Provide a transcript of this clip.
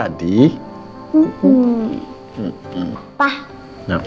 tadi aku ditinggal pernah datangin